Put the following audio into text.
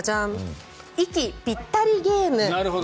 息ぴったりゲーム。